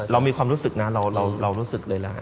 เรามีความรู้สึกนะเรารู้สึกเลยนะ